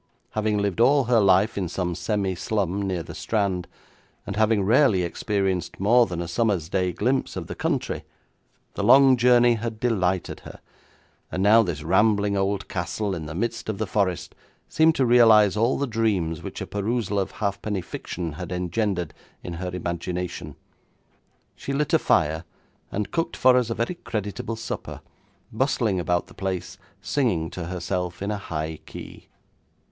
Having lived all her life in some semi slum near the Strand, and having rarely experienced more than a summer's day glimpse of the country, the long journey had delighted her, and now this rambling old castle in the midst of the forest seemed to realise all the dreams which a perusal of halfpenny fiction had engendered in her imagination. She lit a fire, and cooked for us a very creditable supper, bustling about the place, singing to herself in a high key.